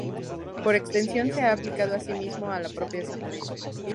Por extensión se ha aplicado asimismo a la propia asamblea.